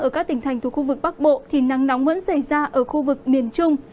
ở các tỉnh thành thuộc khu vực bắc bộ thì nắng nóng vẫn xảy ra ở khu vực miền trung